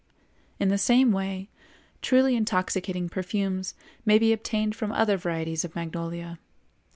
In the same way, truly intoxicating perfumes may be obtained from other varieties of magnolia.